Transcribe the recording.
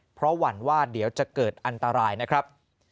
เพราะหวั่นว่าเดี๋ยวจะเกิดอันตรายนะครับ